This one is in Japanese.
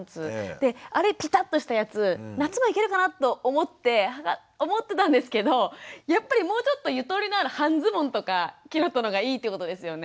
であれピタッとしたやつ夏もいけるかなと思ってたんですけどやっぱりもうちょっとゆとりのある半ズボンとかキュロットの方がいいってことですよね。